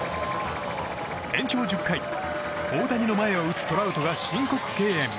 延長１０回、大谷の前を打つトラウトが申告敬遠。